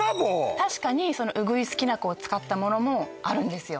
確かにうぐいすきな粉を使ったものもあるんですよ